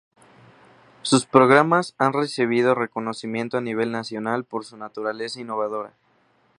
Sus programas han recibido reconocimiento a nivel nacional, por su naturaleza innovadora.